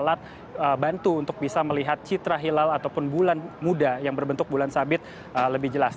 alat bantu untuk bisa melihat citra hilal ataupun bulan muda yang berbentuk bulan sabit lebih jelas